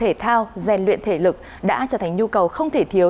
hội thao gian luyện thể lực đã trở thành nhu cầu không thể thiếu